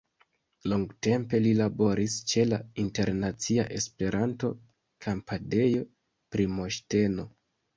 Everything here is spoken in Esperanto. Longtempe li laboris ĉe la Internacia-Esperanto-Kampadejo-Primoŝteno.